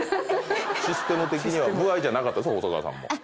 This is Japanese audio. システム的には歩合じゃなかった細川さんも。